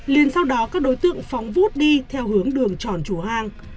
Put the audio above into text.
liên sau đó các đối tượng phóng vút đi theo hướng đường tròn chùa hàng